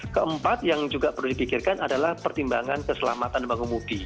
keempat yang juga perlu dipikirkan adalah pertimbangan keselamatan pengemudi